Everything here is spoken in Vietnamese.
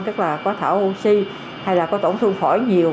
tức là có thở oxy hay là có tổn thương phổi nhiều